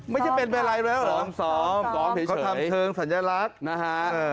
ไม่ใช่เป็นอะไรแล้วเหรอซ้อมเขาทำเคริงสัญลักษณ์นะฮะ